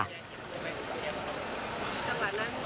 สวัสดีครับ